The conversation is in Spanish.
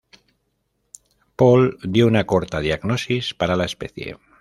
Paul dio una corta diagnosis para la especie.